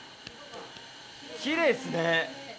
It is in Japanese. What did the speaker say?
きれいっすね。